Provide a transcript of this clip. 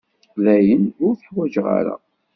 Dayen, ur t-ḥwajeɣ ara.